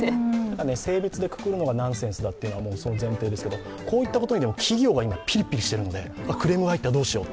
性別でくくるのはナンセンスだというのが前提ですけどこういったことに企業が今、ピリピリしているので、クレームが入った、どうしよう。